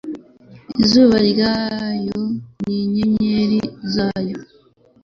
Izuba ryayo n'inyenyeri zayo